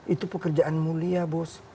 itu pekerjaan mulia bos